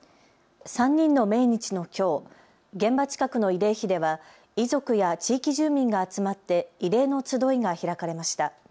３人の命日のきょう、現場近くの慰霊碑では遺族や地域住民が集まって慰霊の集いが開かれました。